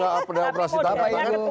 kalau gak operasi tangkap tangan